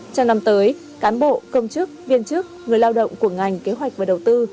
trong năm tới cán bộ công chức viên chức người lao động của ngành kế hoạch và đầu tư